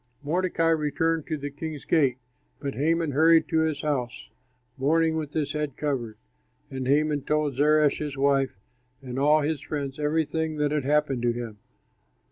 Mordecai returned to the king's gate, but Haman hurried to his house, mourning, with his head covered. And Haman told Zeresh, his wife, and all his friends everything that had happened to him.